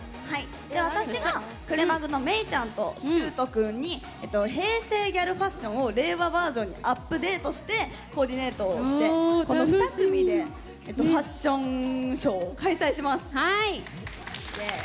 私がくれまぐのめいちゃんとしゅーと君に平成ギャルファッションを令和バージョンにアップデートしてコーディネートをしてこの２組でファッションショーを開催します。